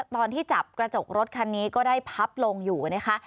ตอนที่จับกระจกรถคันนี้ก็ได้พับลงอยู่นะคะ